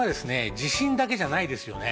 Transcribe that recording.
地震だけじゃないですよね。